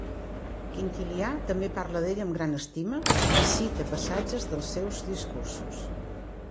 Quintilià també parla d'ell amb gran estima i cita passatges dels seus discursos.